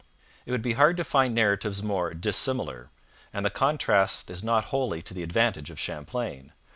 It would be hard to find narratives more dissimilar, and the contrast is not wholly to the advantage of Champlain.